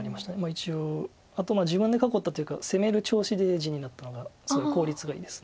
一応あと自分で囲ったというか攻める調子で地になったのがすごい効率がいいです。